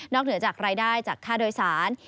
เหนือจากรายได้จากค่าโดยสาร